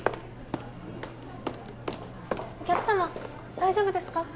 お客様大丈夫ですか？